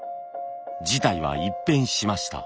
事態は一変しました。